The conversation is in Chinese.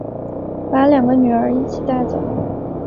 把两个女儿一起带走